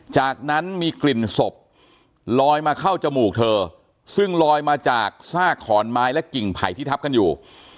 จากนั้นมีกลิ่นศพลอยมาเข้าจมูกเธอซึ่งลอยมาจากซากขอนไม้และกิ่งไผ่ที่ทับกันอยู่